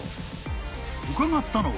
［伺ったのは］